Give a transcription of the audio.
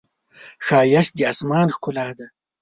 ښایست د آسمان ښکلا ده